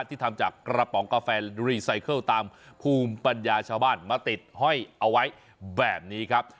ที่ทำจากกระป๋องกาแฟรีไซเคิลตามภูมิปัญญาชาวบ้านมาติดห้อยเอาไว้แบบนี้ครับ